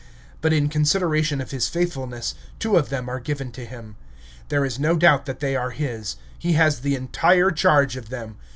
But in consideration of his faithfulness, two of them are given to him. There is no doubt that they are his: he has the entire charge of them.